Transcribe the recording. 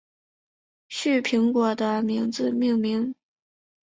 旭苹果的名字命名。